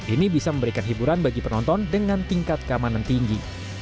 ini bisa memberikan hiburan bagi penonton dengan tingkat keamanan tinggi